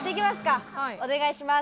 お願いします。